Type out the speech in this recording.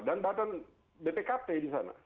dan badan bpkp di sana